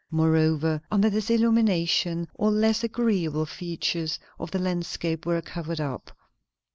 Moreover, under this illumination all less agreeable features of the landscape were covered up.